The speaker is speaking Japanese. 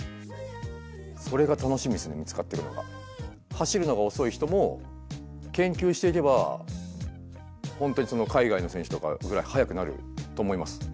走るのが遅い人も研究していけば本当に海外の選手とかぐらい速くなると思います。